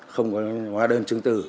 không có hóa đơn chứng từ